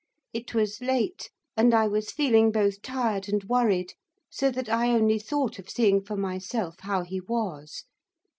It was late, and I was feeling both tired and worried, so that I only thought of seeing for myself how he was.